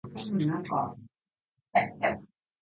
カステリョン県の県都はカステリョン・デ・ラ・プラナである